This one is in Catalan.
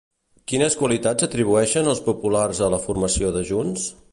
Quines qualitats atribueixen els populars a la formació de Junts?